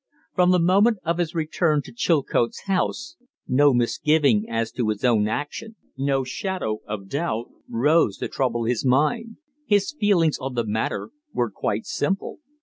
From the moment of his return to Chilcote's house no misgiving as to his own action, no shadow of doubt, rose to trouble his mind. His feelings on the matter were quite simple.